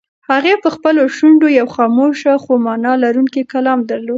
هغې په خپلو شونډو یو خاموش خو مانا لرونکی کلام درلود.